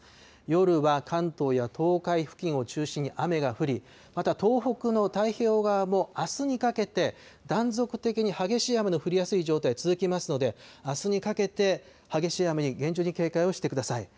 夜は関東や東海付近を中心に雨が降り、また東北の太平洋側もあすにかけて、断続的に激しい雨の降りやすい状態、続きますので、あすにかけて、激しい雨に厳重に警戒をしてください。